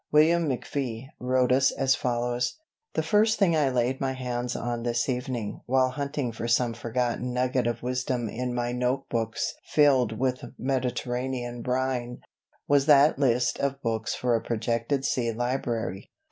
William McFee wrote us as follows: "The first thing I laid my hands on this evening, while hunting for some forgotten nugget of wisdom in my note books filled with Mediterranean brine, was that list of books for a projected sea library.